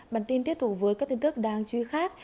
bản tin tiếp tục với các tin tức đang truy khác